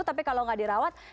tapi kalau tidak dirawat